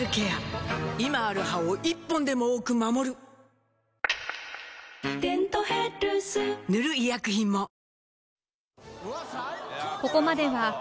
今ある歯を１本でも多く守る「デントヘルス」塗る医薬品も小峠）